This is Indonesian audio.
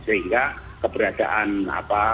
karena itu dikenal dengan